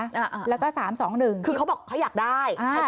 อ่าแล้วก็สามสองหนึ่งคือเขาบอกเขาอยากได้ใช่